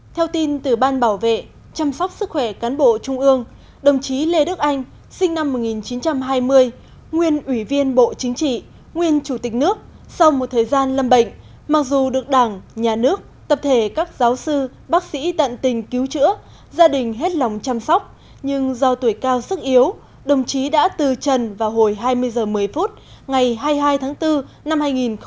theo tin từ ban bảo vệ chăm sóc sức khỏe cán bộ trung ương đồng chí lê đức anh sinh năm một nghìn chín trăm hai mươi nguyên ủy viên bộ chính trị nguyên chủ tịch nước sau một thời gian lâm bệnh mặc dù được đảng nhà nước tập thể các giáo sư bác sĩ tận tình cứu chữa gia đình hết lòng chăm sóc nhưng do tuổi cao sức yếu đồng chí đã từ trần vào hồi hai mươi h một mươi phút ngày hai mươi hai tháng bốn năm hai nghìn một mươi chín